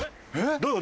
どういう事？